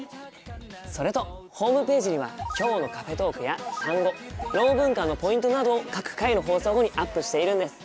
それとホームページには「きょうのカフェトーク」や単語ろう文化のポイントなどを各回の放送後にアップしているんです。